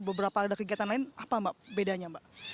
beberapa ada kegiatan lain apa mbak bedanya mbak